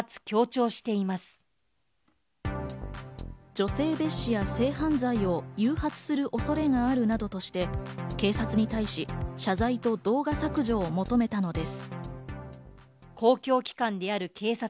女性蔑視や性犯罪を誘発する恐れがあるなどとして、警察に対し謝罪と動画削除を求めたのです。